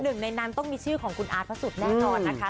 หนึ่งในนั้นต้องมีชื่อของคุณอาร์ตพระสุทธิแน่นอนนะคะ